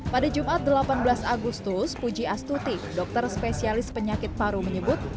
pada jumat delapan belas agustus puji astuti dokter spesialis penyakit paru menyebut